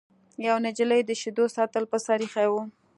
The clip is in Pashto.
یوې نجلۍ د شیدو سطل په سر ایښی و.